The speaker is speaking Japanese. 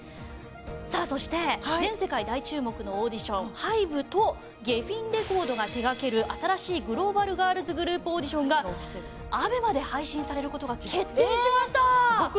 さあそして全世界大注目のオーディションＨＹＢＥとゲフィン・レコードが手掛ける新しいグローバルガールズグループオーディションがＡＢＥＭＡで配信される事が決定しました！